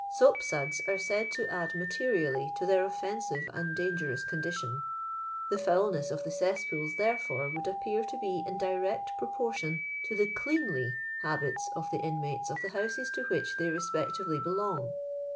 Soap suds are said to add materially to their offensive and dangerous condition. The foulkess of the ceupooU, therefore, would appear to be in dire^ proportion to the clsaxly habiit of the inmates of tfte houses to which they respectively belong.